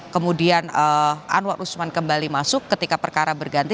kemudian anwar usman kembali masuk ketika perkara berganti